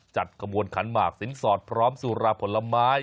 จัดขบวนขันหมากสินสอดพร้อมสุราผลไม้